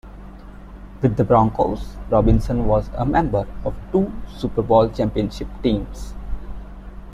With the Broncos, Robinson was a member of two Super Bowl championship teams.